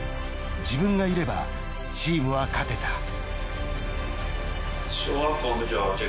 自分がいればチームは勝てた。